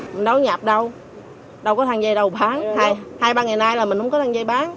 mình đâu có nhập đâu đâu có than dây đâu bán